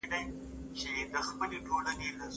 هغه ماشوم چې سر یې په دېوال ولگېد، لا هم خاندي.